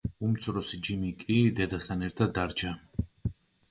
უმცროსი, ჯიმი კი დედასთან ერთად დარჩა.